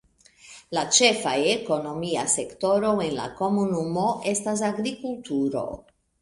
La ĉefa ekonomia sektoro en la komunumo estas agrikulturo.